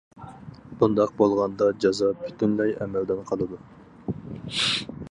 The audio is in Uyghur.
بۇنداق بولغاندا جازا پۈتۈنلەي ئەمەلدىن قالىدۇ.